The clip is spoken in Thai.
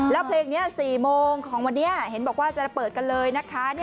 แล้วเพลงนี้๔โมงของวันนี้เห็นบอกว่าจะเปิดกันเลยนะคะ